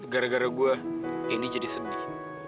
gara gara gue ini jadi sedih